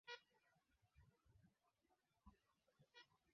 Ni miongoni mwa viongozi wachapa kazi aliowahi kufanya kazi nao